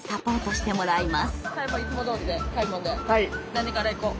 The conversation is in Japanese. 何からいこう？